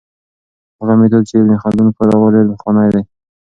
هغه میتود چې ابن خلدون کاروه ډېر پخوانی دی.